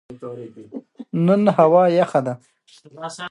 د ډالر پر وړاندې د افغانۍ ثبات ښه دی